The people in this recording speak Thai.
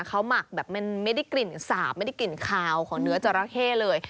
เขาหมักแบบมันไม่ได้กลิ่นสาบไม่ได้กลิ่นคาวของเนื้อจราเข้เลย